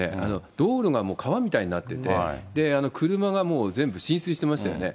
道路がもう川みたいになってて、車がもう全部浸水してましたよね。